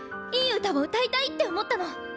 いい歌を歌いたいって思ったの。